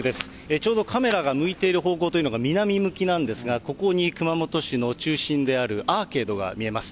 ちょうどカメラが向いている方向というのが南向きなんですが、ここに熊本市の中心であるアーケードが見えます。